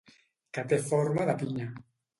Que té forma de pinya.